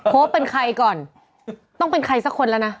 โพสต์เป็นใครก่อนต้องเป็นใครสักคนแล้วนะ